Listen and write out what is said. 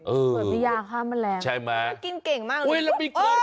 เออใช่ไหมใช่มันกินเก่งมากเลยอุ๊ยแล้วมีเอ้อ